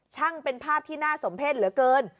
ช่างเป็นภาพที่น่าสมเพศเหลือเกิน